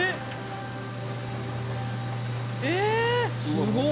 え？